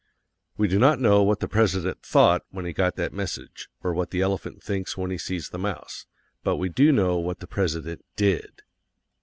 =We do not know what the President THOUGHT when he got that message, or what the elephant thinks when he sees the mouse, but we do know what the President DID.